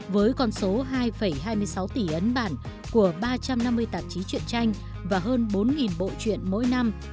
với con số hai hai mươi sáu tỷ ấn bản của ba trăm năm mươi tạp chí chuyện tranh và hơn bốn bộ chuyện mỗi năm